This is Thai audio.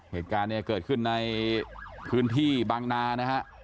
เหตุการณ์เนี่ยเกิดขึ้นในพื้นที่บางนานะฮะ